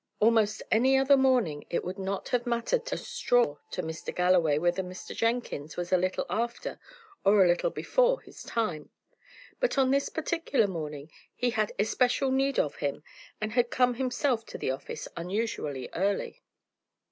Almost any other morning it would not have mattered a straw to Mr. Galloway whether Jenkins was a little after or a little before his time; but on this particular morning he had especial need of him, and had come himself to the office unusually early.